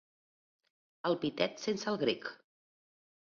El pitet sense el grec.